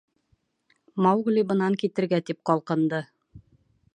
Маугли бынан китергә тип ҡалҡынды.